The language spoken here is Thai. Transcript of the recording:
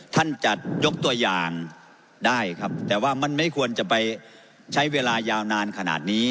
ท่านจะยกตัวอย่างได้ครับแต่ว่ามันไม่ควรจะไปใช้เวลายาวนานขนาดนี้